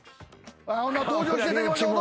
ほんなら登場していただきましょう。